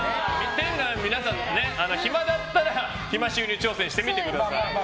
皆さん暇だったら暇収入挑戦してみてください。